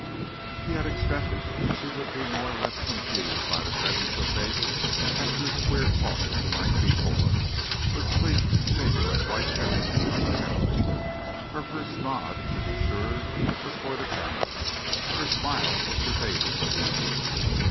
He had expected that she would be more or less confused by the presence of David after his queer talk of the night before, but sleep seemed to have wiped everything from her memory. Her first nod, to be sure, was for the gambler, but her smile was for David of Eden.